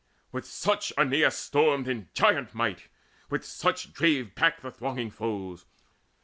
With such Aeneas stormed in giant might, With such drave back the thronging foes.